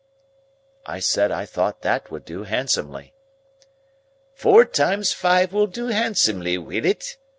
I said I thought that would do handsomely. "Four times five will do handsomely, will it?"